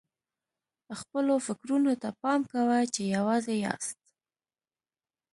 خپلو فکرونو ته پام کوه چې یوازې یاست.